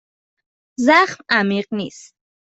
زخم عمیق نیست.